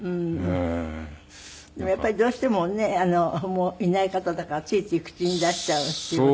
でもやっぱりどうしてもねもういない方だからついつい口に出しちゃうっていうのが。